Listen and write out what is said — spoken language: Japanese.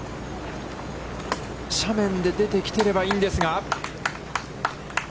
斜面で出てきていればいいんですが。